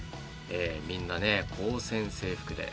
みんなね高専制服で。